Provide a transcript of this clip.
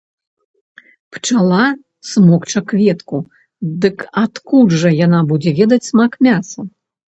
Пчала смокча кветку, дык адкуль жа яна будзе ведаць смак мяса?